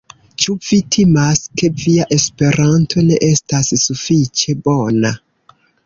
Ĉu vi timas, ke via Esperanto ne estas sufiĉe bona?